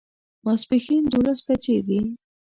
ماسپښین دوولس بجې دي